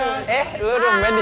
lo udah komen dit kissed ini